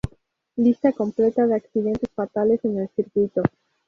Lista completa de accidentes fatales en el circuito.